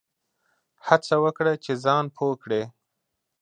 هڅه وکړه چي ځان پوه کړې !